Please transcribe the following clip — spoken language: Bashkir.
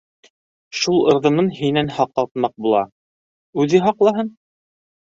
Шул ырҙынын һинән һаҡлатмаҡ була - үҙе һаҡлаһын!